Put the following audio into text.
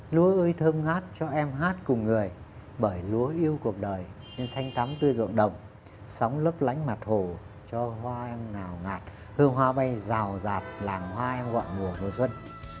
lúa ơi thơm hát cho em hát cùng người bởi lúa yêu cuộc đời nên sanh tắm tươi rộn đồng sóng lấp lánh mặt hồ cho hoa em ngào ngạt hơi hoa bay rào rạt làng hoa gọi mùa mùa xuân